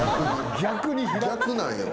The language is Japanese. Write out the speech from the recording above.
逆なんよ。